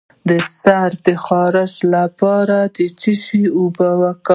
د سر د خارښ لپاره د څه شي اوبه وکاروم؟